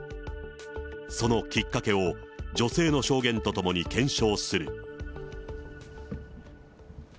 そのきっかけを女性の証言とともに検証する。